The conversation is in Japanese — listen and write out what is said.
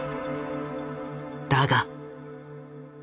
だが。